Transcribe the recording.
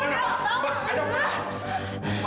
tante dulu pak